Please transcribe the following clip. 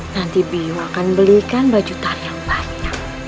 nanti bio akan belikan baju tari yang banyak